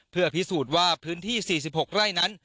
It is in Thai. เพื่อพิสูจน์ว่าพื้นที่๔๖ไร่นั้น